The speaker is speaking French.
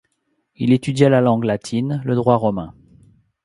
Il étudia la langue latine, le droit romain.